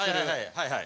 はいはい。